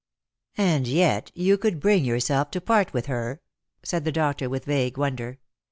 " And yet you could bring yourself to part with her ?" said the doctor, with vague wonder.